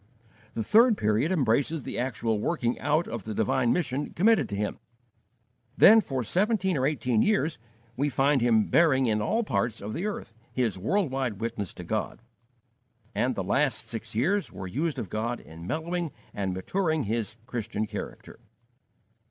The third period embraces the actual working out of the divine mission committed to him. Then for seventeen or eighteen years we find him bearing in all parts of the earth his world wide witness to God; and the last six years were used of God in mellowing and maturing his Christian character.